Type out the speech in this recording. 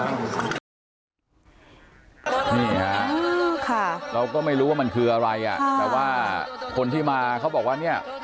นี่ค่ะเราก็ไม่รู้ว่ามันคืออะไรอ่ะแต่ว่าคนที่มาเขาบอกว่าเนี่ย